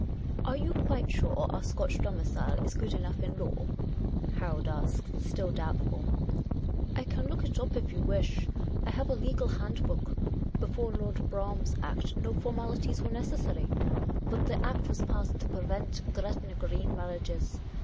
" Are you quite sure our Scotch domicile is good enough in law ?" Harold asked, still doubtful. " I can turn it up, if you wish. I have a legal hand book. Before Lord Brougham's Act, no formalities were necessary. But the Act was passed to prevent Gretna Green marriages.